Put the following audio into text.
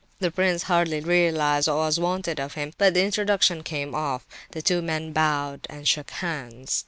The prince hardly realized what was wanted of him, but the introduction came off; the two men bowed and shook hands.